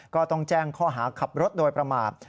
ก็ต้องแจ้งข้อหาขับรถโดยประมาท